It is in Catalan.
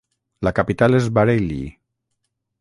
La capital es Bareilly.